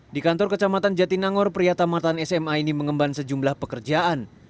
di kantor kecamatan jatinangor pria tamatan sma ini mengemban sejumlah pekerjaan